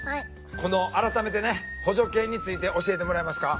この改めてね補助犬について教えてもらえますか？